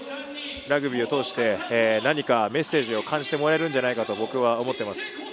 ラグビーを通して、何かメッセージを感じてもらえるんじゃないかと、僕は思ってます。